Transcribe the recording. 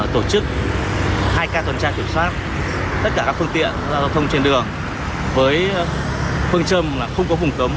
tổ chức hai k tuần tra kiểm soát tất cả các phương tiện giao thông trên đường với phương châm không có vùng cấm